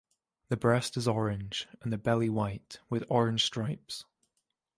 The breast is orange, and the belly white with orange stripes.